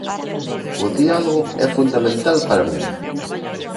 O diálogo é fundamental para min.